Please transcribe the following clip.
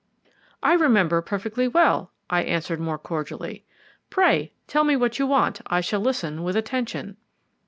"I remember perfectly well," I answered more cordially. "Pray tell me what you want; I shall listen with attention."